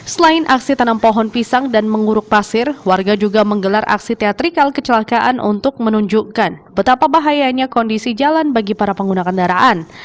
selain aksi tanam pohon pisang dan menguruk pasir warga juga menggelar aksi teatrikal kecelakaan untuk menunjukkan betapa bahayanya kondisi jalan bagi para pengguna kendaraan